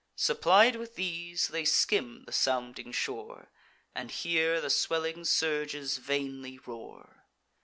Supplied with these, they skim the sounding shore, And hear the swelling surges vainly roar.